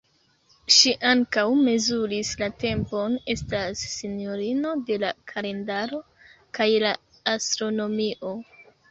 Ŝi ankaŭ mezuris la tempon, estas Sinjorino de la Kalendaro kaj la Astronomio.